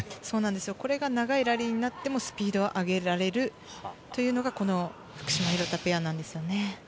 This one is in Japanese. これが長いラリーになってもスピードが上げられるというのが福島・廣田ペアなんですよね。